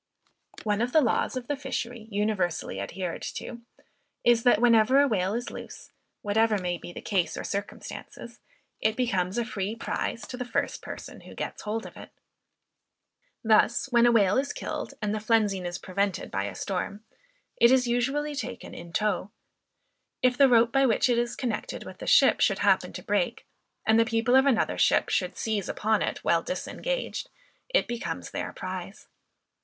One of the laws of the fishery universally adhered to, is, that whenever a whale is loose, whatever may be the case or circumstances, it becomes a free prize to the first person who gets hold of it. Thus, when a whale is killed, and the flensing is prevented by a storm, it is usually taken in tow; if the rope by which it is connected with the ship should happen to break, and the people of another ship should seize upon it while disengaged, it becomes their prize.